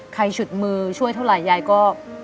ฉุดมือช่วยเท่าไหร่ยายก็